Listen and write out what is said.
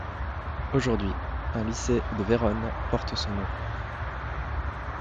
Aujourd'hui, un lycée de Vérone porte son nom.